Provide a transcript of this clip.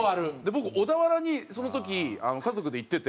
僕小田原にその時家族で行ってて。